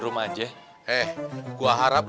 rum masuk dulu ke dalam ya